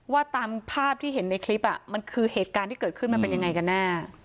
ตามภาพที่เห็นในคลิปมันคือเหตุการณ์ที่เกิดขึ้นมันเป็นยังไงกันแน่